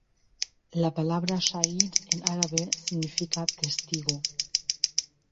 La palabra "shahid" en árabe significa "testigo".